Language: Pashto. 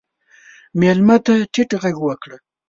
مېلمه ته ټیټ غږ وکړه.